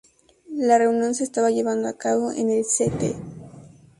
La reunión se estaba llevando a cabo en el "St.